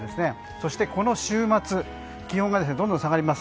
そしてこの週末気温がどんどん下がります。